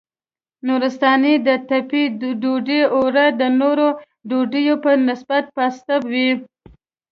نورستانۍ د تبۍ ډوډۍ اوړه د نورو ډوډیو په نسبت پاسته وي.